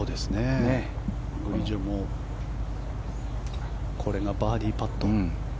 グリジョもこれがバーディーパット。